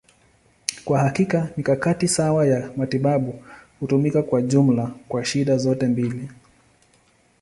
Kwa hakika, mikakati sawa ya matibabu hutumika kwa jumla kwa shida zote mbili.